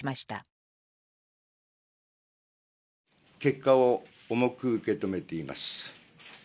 結果を重く受け止めています。